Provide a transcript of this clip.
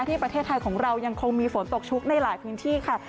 ที่ประเทศไทยของเรายังคงมีฝนตกชุกในหลายพื้นที่ค่ะ